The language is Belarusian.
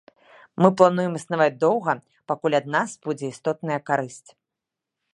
Мы плануем існаваць доўга, пакуль ад нас будзе істотная карысць.